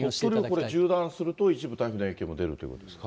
鳥取はこれ、縦断すると一部、台風の影響も出るということですか。